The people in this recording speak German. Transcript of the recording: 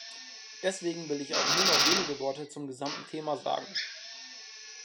Deswegen will ich auch nur noch wenige Worte zum gesamten Thema sagen.